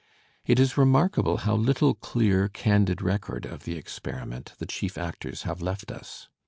It is remarkable how little clear, candid record of the experiment the chief actors have left us.